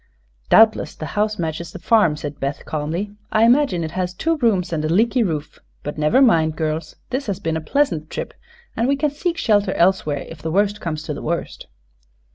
"Doubtless the house matches the farm," said Beth, calmly. "I imagine it has two rooms and a leaky roof. But never mind, girls. This has been a pleasant trip, and we can seek shelter elsewhere if the worst comes to the worst."